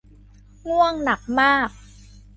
ง่วงหนักมาก